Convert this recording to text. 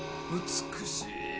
美しい。